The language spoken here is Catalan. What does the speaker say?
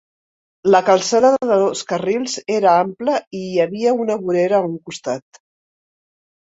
La calçada de dos carrils era ampla i hi havia una vorera a un costat.